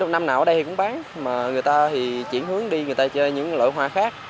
năm nào ở đây cũng bán mà người ta thì chuyển hướng đi người ta chơi những loại hoa khác